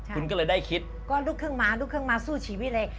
คุณก็เลยได้คิดก็ลุกขึ้นมาลูกครึ่งมาสู้ชีวิตเลย